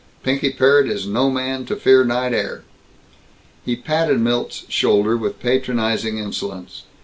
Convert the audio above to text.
Pinky Parrott is no man to fear night air." He patted Milt's shoulder with patronizing insolence.